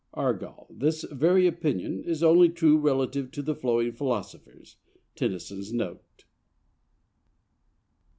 Argal. This very opinion is only true relatively to the flowing philosophers. (Tennyson's note.)